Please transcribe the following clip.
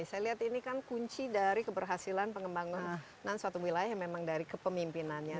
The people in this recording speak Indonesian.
saya lihat ini kan kunci dari keberhasilan pengembangan suatu wilayah yang memang dari kepemimpinannya